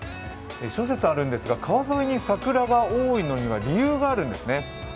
諸説あるんですが、川沿いに桜が多いのには理由があるんですね。